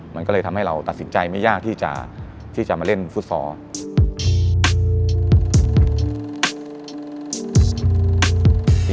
มันก็เลยทำให้เราตัดสินใจไม่ยากที่จะมาเล่นฟุตซอล